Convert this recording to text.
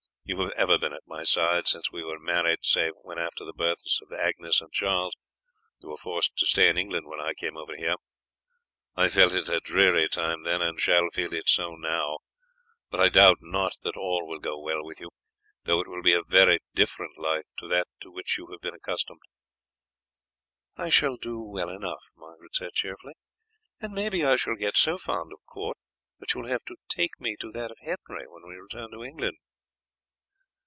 You have ever been at my side since we were married, save when, after the birth of Agnes and Charles, you were forced to stay in England when I came over here. I felt it a dreary time then, and shall feel it so now; but I doubt not that all will go well with you, though it will be a very different life to that to which you have been accustomed." "I shall do well enough," Margaret said cheerfully, "and maybe I shall get so fond of court that you will have to take me to that of Henry when we return to England."